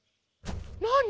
なに？